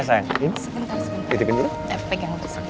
sekentar sekentar pegang disini